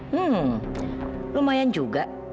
hmm lumayan juga